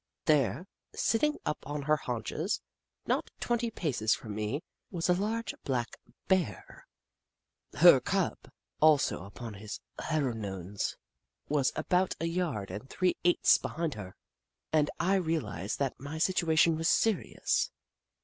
There, sitting up on her haunches, not twenty paces from me, was a large black Bear! Her Cub, also upon his haur^nes, was about a yard and three eighths behind her, and I realised that my situation was serious.